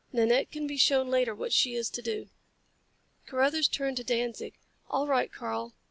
"Nanette can be shown later what she is to do." Carruthers turned to Danzig. "All right. Karl.